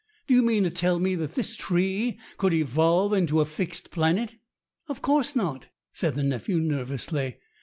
Do you mean to tell me that this tree could evolve into a fixed planet?" "Of course not," said the nephew nervously.